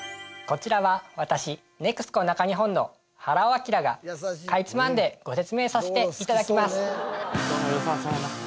こちらは私ＮＥＸＣＯ中日本の原尾彰がかいつまんでご説明させていただきます